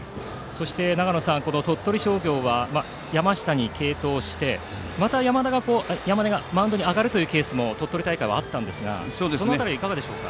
長野さん、鳥取商業は山下に継投してまた山根がマウンドに上がるというケースも鳥取大会はあったんですがその辺りはいかがでしょうか？